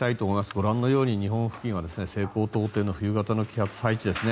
ご覧のように日本付近は西高東低の冬型の気圧配置ですね